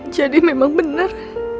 jadi memang bener